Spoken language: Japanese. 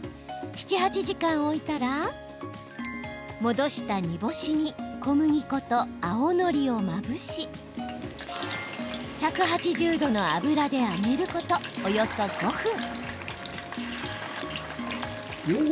７、８時間、置いたら戻した煮干しに小麦粉と青のりをまぶし１８０度の油で揚げることおよそ５分。